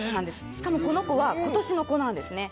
しかもこの子は今年の子なんですね。